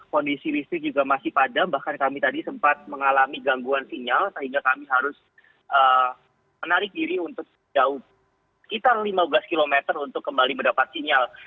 kondisi listrik juga masih padam bahkan kami tadi sempat mengalami gangguan sinyal sehingga kami harus menarik diri untuk jauh sekitar lima belas km untuk kembali mendapat sinyal